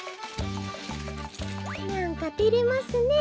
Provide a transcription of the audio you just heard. なんかてれますねえ。